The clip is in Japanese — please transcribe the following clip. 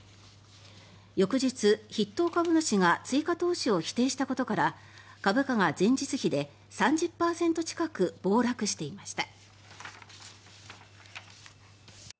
翌日、筆頭株主が追加投資を否定したことから株価が前日比で３０％近く暴落していました。